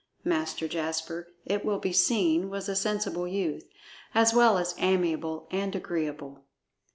Master Jasper, it will be seen, was a sensible youth, as well as amiable and agreeable.